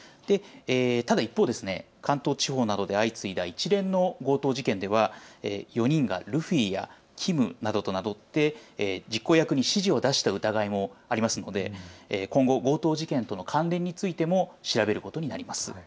ただ一方、関東地方などで相次いだ一連の強盗事件では、４人がルフィやキムなどと名乗って実行役に指示を出した疑いがありますので今後、強盗事件との関連についても調べることになります。